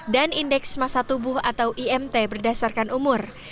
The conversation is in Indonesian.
dan indeks masa tubuh atau imt berdasarkan umur